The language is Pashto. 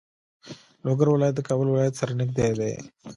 لوګر ولایت د کابل ولایت سره نږدې دی.